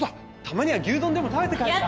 たまには牛丼でも食べて帰るか。